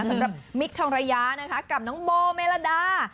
สำหรับมิคทองระยะนะคะกับน้องโบเมลดา